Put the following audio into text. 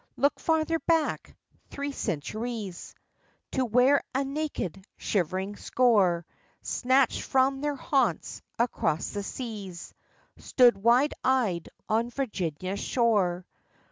Look farther back! Three centuries! To where a naked, shivering score, Snatched from their haunts across the seas, Stood, wild eyed, on Virginia's shore.